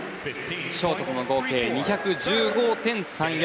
ショートとの合計２１５．３４。